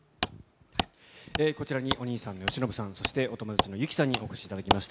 こちらにお兄さんの義信さん、そしてお友達の祐希さんにお越しいただきました。